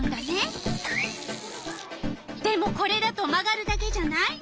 でもこれだと曲がるだけじゃない？